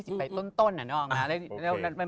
ไปต้นอะนึกออกไหม